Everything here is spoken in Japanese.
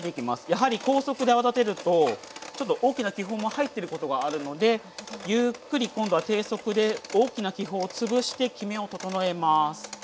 やはり高速で泡立てるとちょっと大きな気泡も入ってることがあるのでゆっくり今度は低速で大きな気泡を潰してきめを整えます。